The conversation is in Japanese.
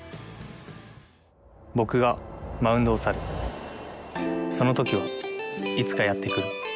僕がマウンドを去るその時はいつかやってくる。